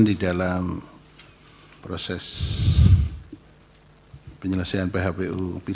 di dalam proses penyelesaian phpu